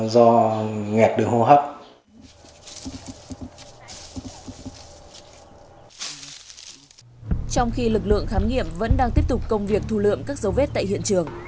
để đưa ra thủ lượng các dấu vết tại hiện trường